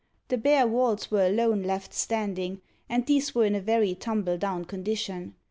The bare walls were alone left standing, and these were in a very tumble down condition.